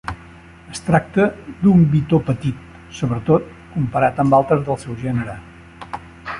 Es tracta d'un bitó petit, sobretot comparat amb altres del seu gènere.